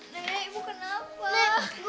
bu ibu kenapa